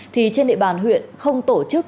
thì trên địa bàn huyện không tổ chức